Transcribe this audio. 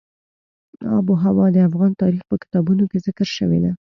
آب وهوا د افغان تاریخ په کتابونو کې ذکر شوې ده.